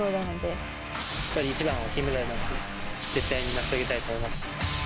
やっぱり一番は金メダル絶対に成し遂げたいです。